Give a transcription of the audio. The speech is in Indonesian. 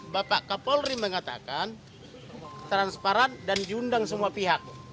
bapak kapolri mengatakan transparan dan diundang semua pihak